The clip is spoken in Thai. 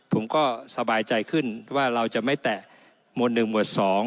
ผมก็สบายใจขึ้นว่าเราจะไม่แตะหมวด๑หมวด๒